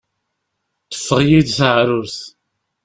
Teffeɣ-iyi-d teεrurt.